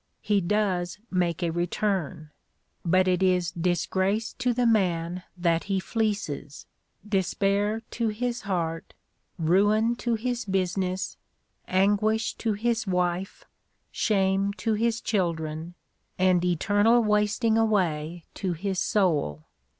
He does make a return; but it is disgrace to the man that he fleeces, despair to his heart, ruin to his business, anguish to his wife, shame to his children, and eternal wasting away to his soul.